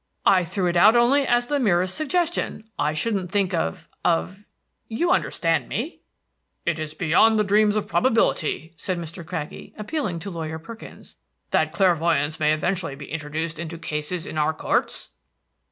"I threw it out only as the merest suggestion. I shouldn't think of of you understand me?" "Is it beyond the dreams of probability," said Mr. Craggie, appealing to Lawyer Perkins, "that clairvoyants may eventually be introduced into cases in our courts?"